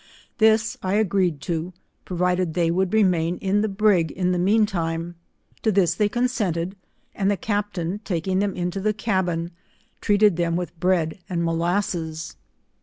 This I agreed to, provided they would remain in the brig in the mean time. To this they consented, and the captain taking them S 2 200 into the cabin, treated them with bread and molas ses.